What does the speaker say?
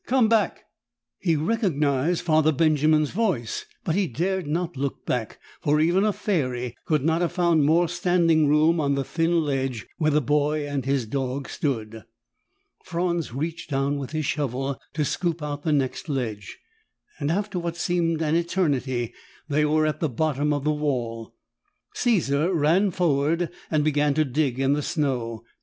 Come back!" He recognized Father Benjamin's voice but he dared not look back, for even a fairy could not have found more standing room on the thin ledge where the boy and his dog stood. Franz reached down with his shovel to scoop out the next ledge. After what seemed an eternity, they were at the bottom of the wall. Caesar ran forward and began to dig in the snow.